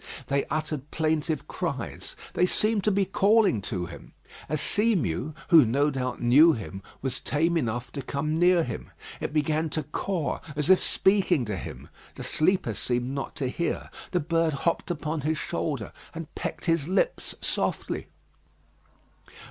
They uttered plaintive cries: they seemed to be calling to him. A sea mew, who no doubt knew him, was tame enough to come near him. It began to caw as if speaking to him. The sleeper seemed not to hear. The bird hopped upon his shoulder, and pecked his lips softly.